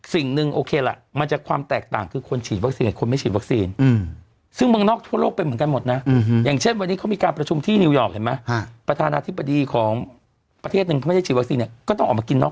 สิ่งหนึ่งโอเคละมันจะความแตกต่างคือคนฉีดวัคซีนหรือคนไม่ฉีดวัคซีน